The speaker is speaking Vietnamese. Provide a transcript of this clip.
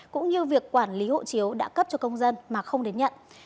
cũng như việc quản lý hộ chiếu đã cấp cho công dân mà không đến nhận